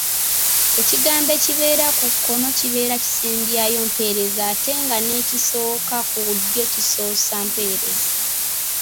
Ekigambo ekibeera ku kkono kibeera kisembyayo mpeerezi ate nga n’ekisooka ku ddyo kisoosa mpeerezi.